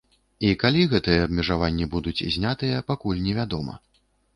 І калі гэтыя абмежаванні будуць знятыя, пакуль не вядома.